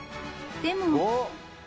［でも］